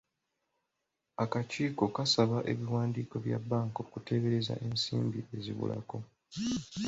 Akakiiko kasaba ebiwandiiko bya bbanka okuteebereza ensimbi ezibulako.